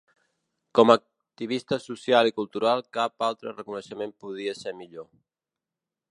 Com activista social i cultural cap altra reconeixement podia ser millor.